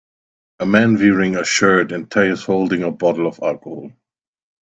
A man wearing a shirt and tie is holding a bottle of alcohol.